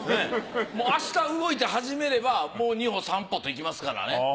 明日動いて始めればもう二歩三歩といきますからね。